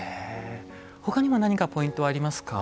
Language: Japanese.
ほかにも何かポイントはありますか？